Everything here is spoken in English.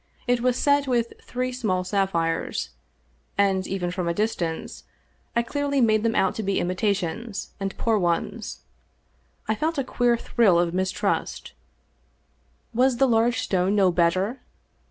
It was set with three small sapphires, and even from a distance I clearly made them out to be imitations, and poor ones. I felt a queer thrill of self mistrust. Was the large stone no better